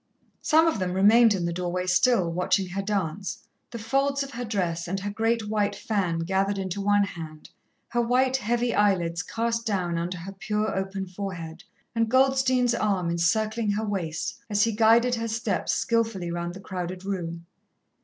Some of them remained in the doorway still, watching her dance, the folds of her dress and her great white fan gathered into one hand, her white, heavy eyelids cast down under her pure, open forehead, and Goldstein's arm encircling her waist as he guided her steps skilfully round the crowded room.